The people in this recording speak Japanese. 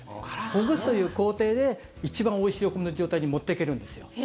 ほぐすという工程で一番おいしいお米の状態に持っていけるんですよ。